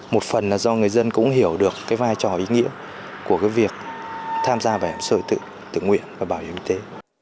một phần là do người dân cũng hiểu được cái vai trò ý nghĩa của cái việc tham gia bảo hiểm xã hội tự nguyện và bảo hiểm y tế